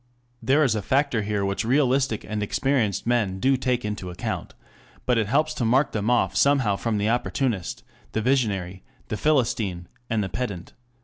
] There is a factor here which realistic and experienced men do take into account, and it helps to mark them off somehow from the opportunist, the visionary, the philistine and the pedant.